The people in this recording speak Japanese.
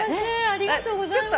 ありがとうございます。